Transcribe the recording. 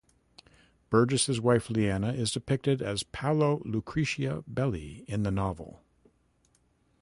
Burgess's wife, Liana, is depicted as Paola Lucrezia Belli in the novel.